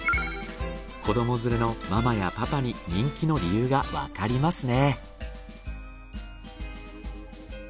子ども連れのママやパパに人気の理由がわかりますね。